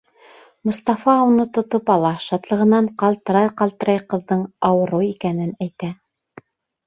Мостафа уны тотоп ала, шатлығынан ҡалтырай-ҡалтырай ҡыҙҙың ауырыу икәнен әйтә.